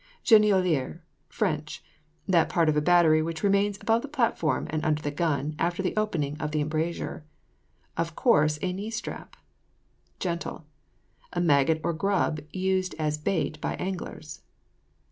_ GENOUILLERE [Fr.] That part of a battery which remains above the platform, and under the gun after the opening of the embrasure. Of course a knee step. GENTLE. A maggot or grub used as a bait by anglers.